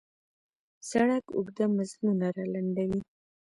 سړک اوږده مزلونه را لنډوي.